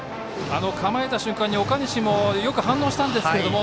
構えた瞬間に、岡西もよく反応したんですけれども。